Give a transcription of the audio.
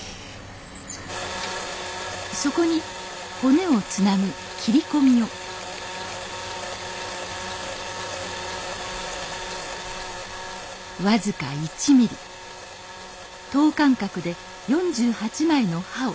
そこに骨をつなぐ切り込みを僅か１ミリ等間隔で４８枚の歯を刻みます。